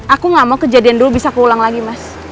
aku gak mau kejadian dulu bisa keulang lagi mas